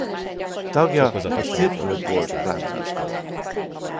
Tagja a Triple Gold Clubnak.